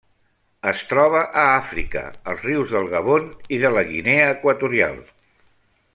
Es troba a Àfrica: els rius del Gabon i de la Guinea Equatorial.